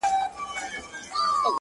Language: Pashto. دا گولۍ مي دي په سل ځله خوړلي-